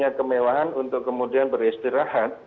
jadi kita akan melakukan perkembangan untuk kemudian beristirahat